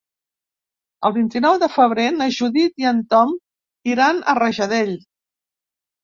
El vint-i-nou de febrer na Judit i en Tom iran a Rajadell.